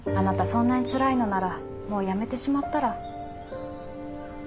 そんなにつらいのならもうやめてしまったら？